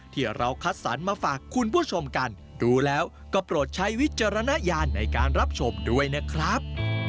ที่เราคัดสรรมาฝากคุณผู้ชมกันดูแล้วก็โปรดใช้วิจารณญาณในการรับชมด้วยนะครับ